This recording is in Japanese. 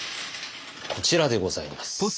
こちらでございます。